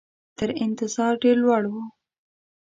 تر انتظار ډېر لوړ وو.